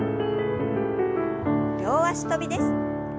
両脚跳びです。